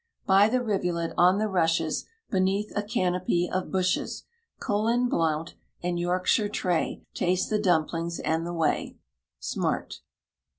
By the rivulet, on the rushes, Beneath a canopy of bushes, Colin Blount and Yorkshire Tray Taste the dumplings and the whey. SMART.